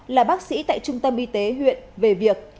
là bác sĩ tại trung tâm y tế huyện về việc